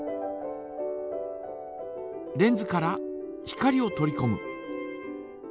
レンズから光を取りこむ。